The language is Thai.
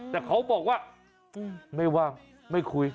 แต่เขาบอกว่าไม่ว่างไม่คุย